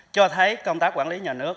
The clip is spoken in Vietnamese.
cho thấy công tác quản lý nhà nước